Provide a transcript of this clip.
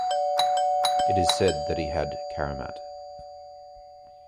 It is said that he had karamat.